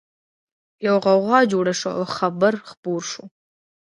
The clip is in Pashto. يوه غوغا جوړه شوه او خبر خپور شو